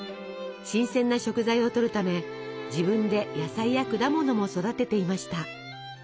新鮮な食材をとるため自分で野菜や果物も育てていました。